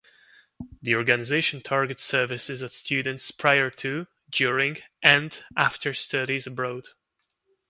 The organisation targets services at students prior to, during, and after studies abroad.